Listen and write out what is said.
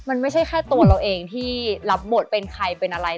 มันไม่ใช่แค่ตัวเราเองที่รับบทเป็นใครเป็นอะไร